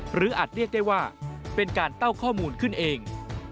อาจเรียกได้ว่าเป็นการเต้าข้อมูลขึ้นเอง